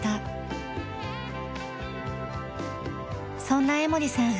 そんな江森さん